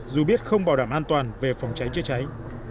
dù biết không bảo đảm an toàn về phòng cháy chữa cháy